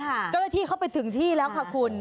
เจ้าหน้าที่เข้าไปถึงที่แล้วค่ะคุณ